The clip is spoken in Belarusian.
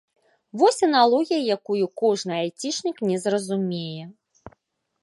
Вось аналогія, якую кожны айцішнік не зразумее.